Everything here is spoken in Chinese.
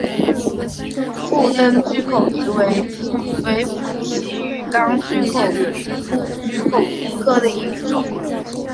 腹灯巨口鱼为辐鳍鱼纲巨口鱼目巨口鱼科的其中一种。